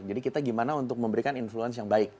jadi kita gimana untuk memberikan influence yang baik